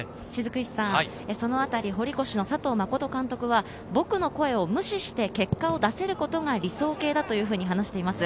そのあたり堀越の佐藤実監督は僕の声を無視して結果を出せることが理想形だと話しています。